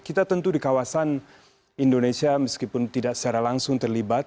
kita tentu di kawasan indonesia meskipun tidak secara langsung terlibat